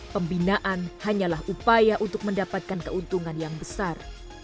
pembinaan hanyalah upaya untuk mendapatkan keuntungan yang besar